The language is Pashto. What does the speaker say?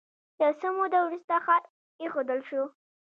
یو څه موده وروسته ښار پرېښودل شو.